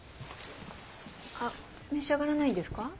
あっ召し上がらないんですか？